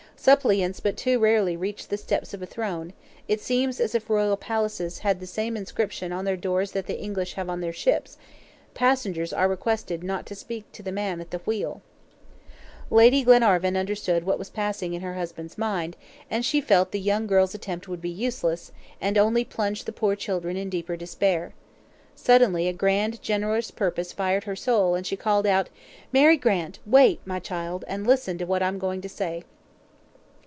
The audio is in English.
Suppliants but too rarely reach the steps of a throne; it seems as if royal palaces had the same inscription on their doors that the English have on their ships: Passengers are requested not to speak to the man at the wheel. Lady Glenarvan understood what was passing in her husband's mind, and she felt the young girl's attempt would be useless, and only plunge the poor children in deeper despair. Suddenly, a grand, generous purpose fired her soul, and she called out: "Mary Grant! wait, my child, and listen to what I'm going to say."